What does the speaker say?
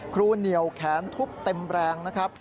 เหนียวแขนทุบเต็มแรงนะครับ